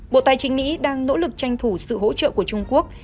bộ tài chính mỹ đang nỗ lực tranh thủ sự hỗ trợ của trung quốc